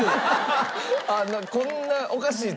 こんなおかしいと。